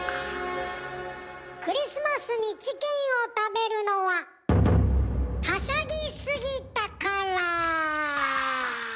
クリスマスにチキンを食べるのははしゃぎ過ぎたから。